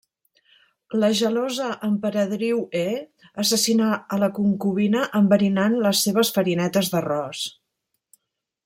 La gelosa Emperadriu He assassinà a la concubina enverinant les seves farinetes d'arròs.